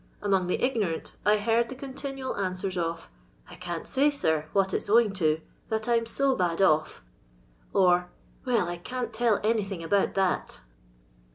Among the ignorant, I heard the continual answers of, " I can't say, sir, wliat it 's owing to, that I 'm so bad off; " or, " Well, I can't tell anything about that."